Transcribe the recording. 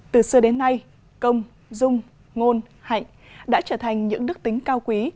từ xưa đến nay công dung ngôn hạnh đã trở thành những đức tính cao quý